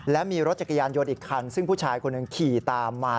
และมีรถจักรยานยนต์อีกคันซึ่งผู้ชายคนหนึ่งขี่ตามมา